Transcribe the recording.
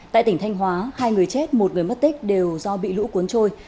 tại tỉnh thanh hóa hai người chết một người mất tích đều do bị lũ cuốn trôi